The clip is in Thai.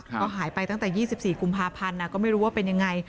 ก็หายไปตั้งแต่๒๔กุมภาพันธ์ก็ไม่รู้ว่าเป็นยังไง